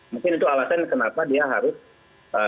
mungkin itu alasan kenapa dia harus